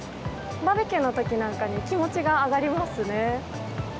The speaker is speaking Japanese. バーベキューの時なんかに気持ちが上がりますね。